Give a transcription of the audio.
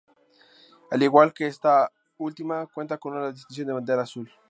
Al igual que esta última, cuenta con la distinción de bandera azul.